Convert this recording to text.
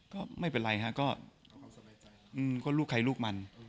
ก็ไม่เป็นไรฮะก็ลูกใครลูกมัน